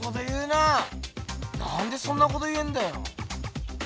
なんでそんなこと言えんだよ。